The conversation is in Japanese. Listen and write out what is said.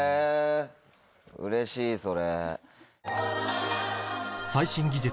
うれしいそれ。